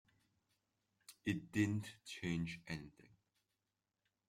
It didn't change anything.